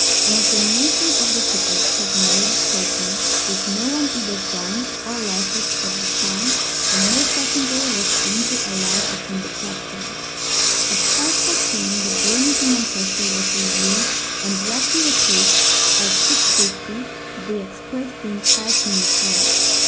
An examination of the tickets has made it certain that no one either joined or left it at this time, and no passenger was seen to alight upon the platform. At 5:14 the journey to Manchester was resumed, and Rugby was reached at 6:50, the express being five minutes late.